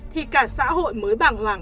thì cả xã hội mới bảng hoảng